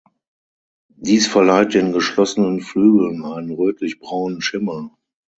Dies verleiht den geschlossenen Flügeln einen rötlich braunen Schimmer.